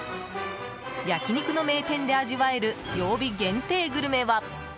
焼き肉の名店で味わえる曜日限定グルメは。